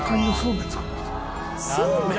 そうめん⁉